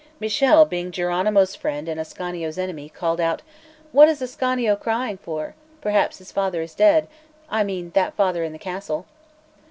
Michele, being Jeronimo's friend and Ascanio's enemy, called out: "What is Ascanio crying for? Perhaps his father is dead; I mean that father in the castle!"